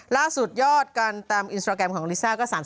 ล่าสุดยอดกันตามอินสตราแกรมของลิซ่าก็๓๑ล้าน